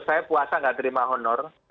saya puasa gak terima honor